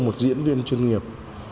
một diễn viên chuyên nghiệp